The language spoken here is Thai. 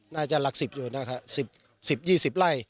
น่าจะหลัก๑๐๑๐๒๐ไร่